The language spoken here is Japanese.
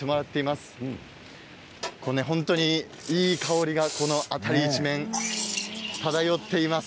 本当に、いい香りがこの辺り一面、漂っています。